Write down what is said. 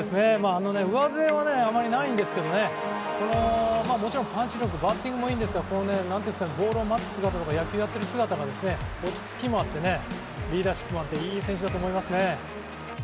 上背はあまりないんですけど、もちろんパンチ力バッティングもいいんですが、ボールを待つ姿とか、野球をやっている姿が落ち着きもあって、リーダーシップもあっていい選手だと思いますね。